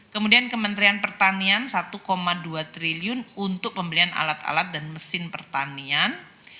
kemudian kementerian pertanian rp satu dua triliun untuk pembelian alat alat dan mesin pertanian